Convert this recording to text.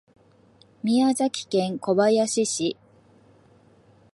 宮崎県小林市